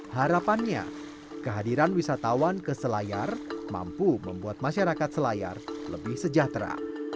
harapannya kehadiran wisatawan ke selayar mampu membuat masyarakat selayar lebih sejahtera